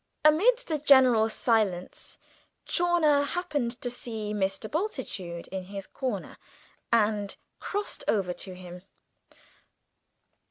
Amidst a general silence Chawner happened to see Mr. Bultitude in his corner, and crossed over to him.